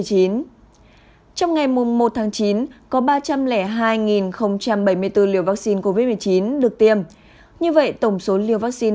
trong ngày một tháng chín có ba trăm linh hai bảy mươi bốn liều vaccine covid một mươi chín được tiêm như vậy tổng số liều vaccine